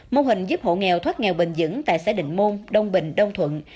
mô hình giúp hộ nghèo thoát nghèo bền dững tại xã định môn đông bình đông thuận